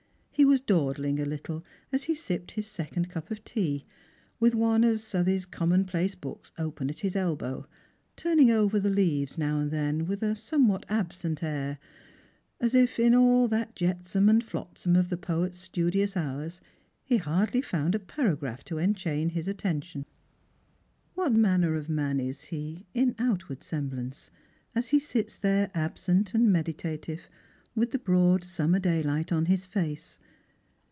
He was dawdlinc; a little as he sipped his 8lrangei*9 and Pilgrims. 25 flecond cup of tea, with one of Southey's Commonplace Books open at his elbow, turning over the leaves now and then with a somewhat absent air, as if in all that jetsam and flotsam of the poet's studious hours he hardly found a paragraph to enchain his attention. What manner of man is he, in outward semblance, as he sits there absent and meditative, with the broad summer daylight on his face